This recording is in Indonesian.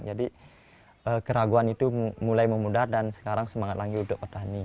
jadi keraguan itu mulai memudar dan sekarang semangat lagi untuk bertani